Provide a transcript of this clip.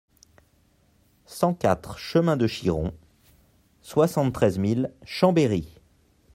cent quatre chemin de Chiron, soixante-treize mille Chambéry